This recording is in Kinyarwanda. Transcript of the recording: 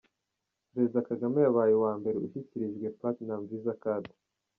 Perezida Kagame yabaye uwa mbere ushyikirijwe ‘Platinum Visa Card’.